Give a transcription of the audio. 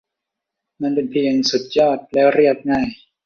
มันเป็นเพียงสุดยอดและเรียบง่าย